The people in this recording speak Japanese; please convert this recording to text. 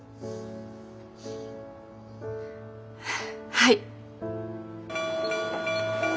はい。